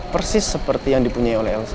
persis seperti yang dipunyai oleh elsa